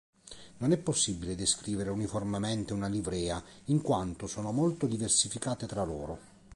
Non è possibile descrivere uniformemente una livrea, in quanto sono molto diversificate tra loro.